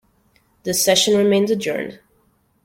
The session remains adjourned.